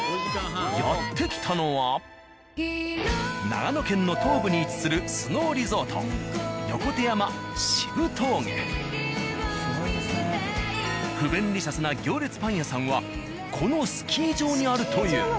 やって来たのは長野県の東部に位置するスノーリゾート不便利シャスな行列パン屋さんはこのスキー場にあるという。